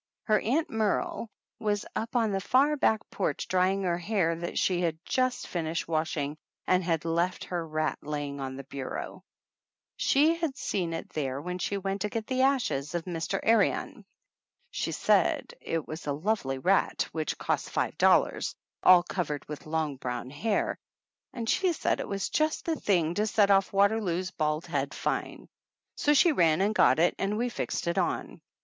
Her Aunt Merle was up on the far back porch drying her hair that she had just fin ished washing, and had left her rat lying on her bureau. She had seen it there when she went to get the ashes of Mr. Aryan. She said it was a lovely rat, which cost five dollars, all covered with long brown hair; and she said it was just the thing to set off Waterloo's bald head fine. So she ran and got it and we fixed it on.